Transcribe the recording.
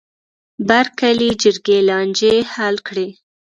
بر کلي جرګې لانجې حل کړې.